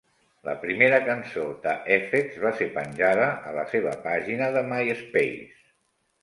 La primera cançó "The Effects" va ser penjada a la seva pàgina de Myspace.